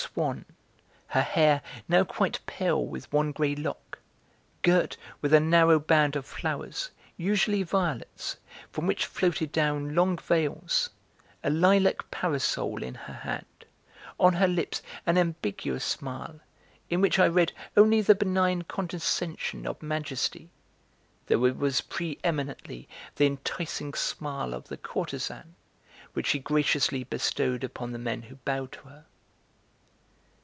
Swann, her hair, now quite pale with one grey lock, girt with a narrow band of flowers, usually violets, from which floated down long veils, a lilac parasol in her hand, on her lips an ambiguous smile in which I read only the benign condescension of Majesty, though it was pre eminently the enticing smile of the courtesan, which she graciously bestowed upon the men who bowed to her.